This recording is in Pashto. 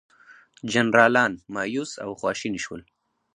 جنرالان مأیوس او خواشیني شول.